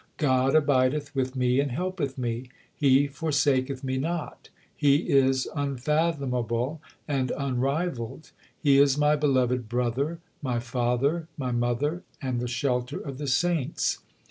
God abideth with me and helpeth me ; He forsaketh me not ; He is unfathomable and unrivalled. He is my beloved brother, my father, my mother, and the shelter of the saints.